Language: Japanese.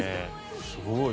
すごい。